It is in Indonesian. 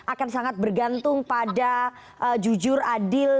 akan sangat bergantung pada jujur adil